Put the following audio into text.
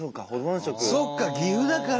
そっか！